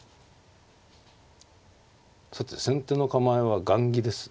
さて先手の構えは雁木ですね。